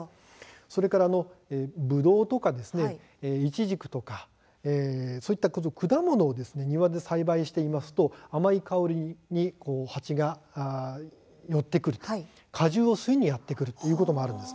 それからぶどうとかイチジクとかそういった果物を庭で栽培していますと甘い香りに蜂が寄ってくる果汁を吸いにやって来るということがあるんです。